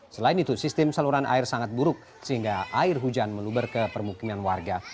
selain itu sistem saluran air sangat buruk sehingga air hujan meluber ke permukiman warga